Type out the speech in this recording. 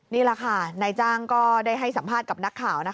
นี่แหละค่ะนายจ้างก็ได้ให้สัมภาษณ์กับนักข่าว